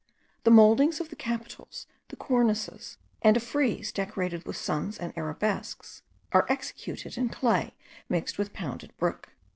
The mouldings of the capitals, the cornices, and a frieze decorated with suns and arabesques, are executed in clay mixed with pounded brick.